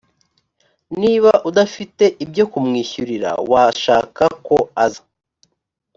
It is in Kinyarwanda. niba udafite ibyo kumwishyurira washaka ko aza